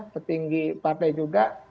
petinggi partai juga